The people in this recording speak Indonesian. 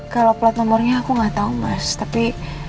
kalau plat nomornya aku gak tau mas tapi